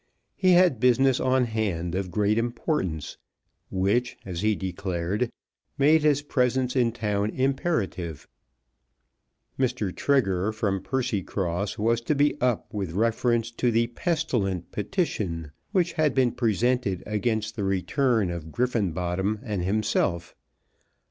He had business on hand of great importance, which, as he declared, made his presence in town imperative. Mr. Trigger, from Percycross, was to be up with reference to the pestilent petition which had been presented against the return of Griffenbottom and himself.